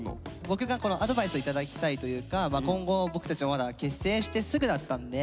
僕がアドバイスを頂きたいというか今後僕たちがまだ結成してすぐだったんで。